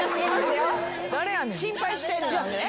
心配してんのね。